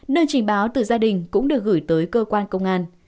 nơi trình báo từ gia đình cũng được gửi tới cơ quan công an